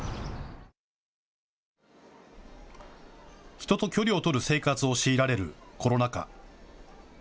人と距離を取る生活を強いられるコロナ禍。